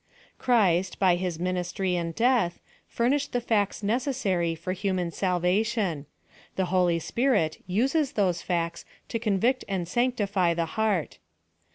Christ, by his ministry and death, furnished the facts necessary for human salvation : the Holy Spirit uses those facts to convict and sanctify the heart.